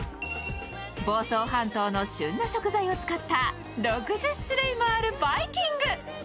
房総半島の旬の食材を使った６０種類もあるバイキング。